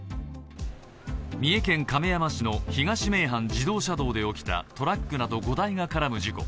三重県亀山市の東名阪自動車道で起きたトラックなど５台が絡む事故。